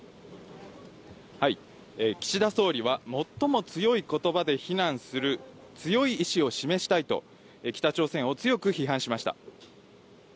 岸田総理は最も強いことばで非難する強い意思を示したいと、北朝鮮を強く批判しました。